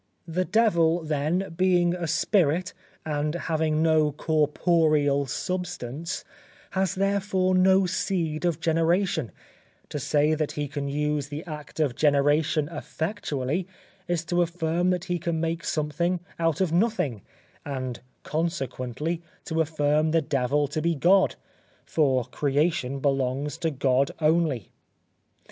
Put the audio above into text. The devil then being a spirit and having no corporeal substance, has therefore no seed of generation; to say that he can use the act of generation effectually is to affirm that he can make something out of nothing, and consequently to affirm the devil to be God, for creation belongs to God only.